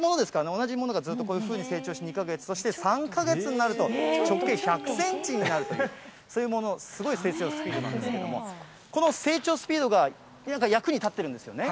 同じものがずっとこういうふうに成長して、２か月、そして３か月になると、直径１００センチになるという、そういう、すごく成長スピードなんですけれども、この成長スピードが、役に立っているんですよね。